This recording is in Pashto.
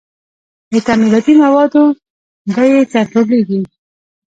د تعمیراتي موادو بیې کنټرولیږي؟